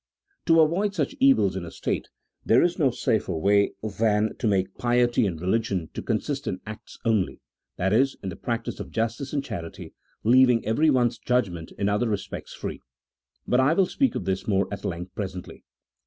To avoid such evils in a state, there is no safer way than to make piety and religion to consist in acts only — that is, in the practice of justice and charity, leaving everyone's judgment in other respects free. But I will speak of this more at length presently.